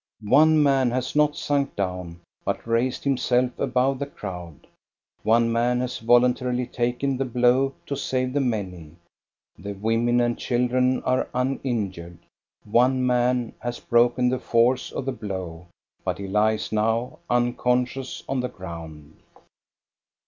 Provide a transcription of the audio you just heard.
One man has not sunk down, but raised himself above the crowd, one man has voluntarily taken the blow to save the many. The women and children are uninjured. One man has broken the force of the blow, but he lies now unconscious on the ground.